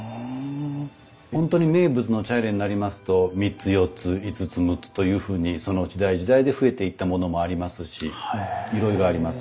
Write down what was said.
本当に名物の茶入になりますと三つ四つ五つ六つというふうにその時代時代で増えていったものもありますしいろいろあります。